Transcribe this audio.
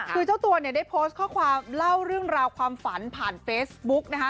คือเจ้าตัวเนี่ยได้โพสต์ข้อความเล่าเรื่องราวความฝันผ่านเฟซบุ๊กนะคะ